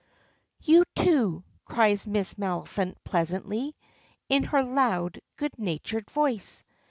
"You two," cries Miss Maliphant pleasantly, in her loud, good natured voice.